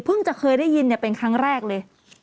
เพิ่งจะเคยได้ยินเนี่ยเป็นครั้งแรกเลย